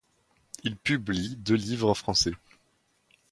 Il publie deux livres en français.